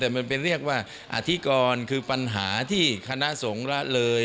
แต่มันเป็นเรียกว่าอธิกรคือปัญหาที่คณะสงฆ์ละเลย